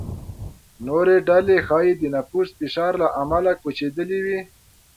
نورې ډلې ښايي د نفوس فشار له امله کوچېدلې وي.